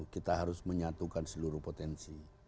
kita harus menyatukan seluruh potensi